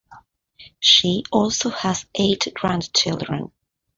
She also has eight grandchildren.